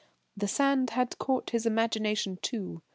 The sand had caught his imagination too.